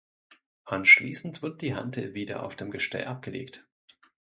Anschließend wird die Hantel wieder auf dem Gestell abgelegt.